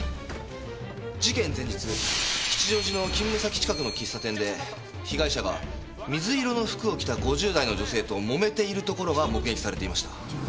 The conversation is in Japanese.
事件前日吉祥寺の勤務先近くの喫茶店で被害者が水色の服を着た５０代の女性ともめているところが目撃されていました。